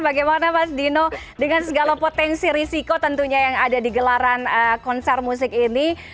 bagaimana mas dino dengan segala potensi risiko tentunya yang ada di gelaran konser musik ini